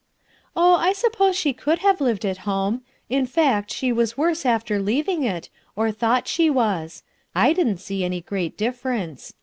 "Oh, I suppose she could have lived at home. In fact she was worse after leaving it, or thought she was; I didn't see any great difference.